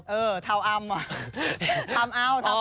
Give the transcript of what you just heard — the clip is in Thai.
เออเทาอำอะทำเอา